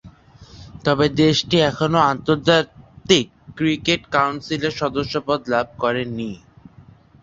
তবে দেশটি এখনও আন্তর্জাতিক ক্রিকেট কাউন্সিল এর সদস্যপদ লাভ করে নি।